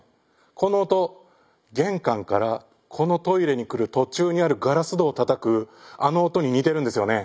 この音玄関からこのトイレに来る途中にあるガラス戸をたたくあの音に似てるんですよね。